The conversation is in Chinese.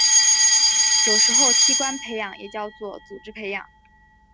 有时候器官培养也称作组织培养。